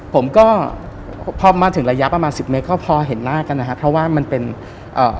ผมก็พอมาถึงระยะประมาณสิบเมตรก็พอเห็นหน้ากันนะฮะเพราะว่ามันเป็นเอ่อ